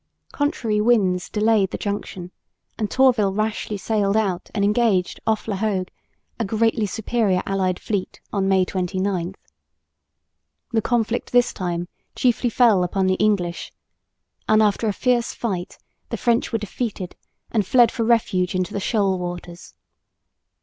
Contrary winds delayed the junction; and Tourville rashly sailed out and engaged off La Hogue a greatly superior allied fleet on May 29. The conflict this time chiefly fell upon the English, and after a fierce fight the French were defeated and fled for refuge into the shoal waters.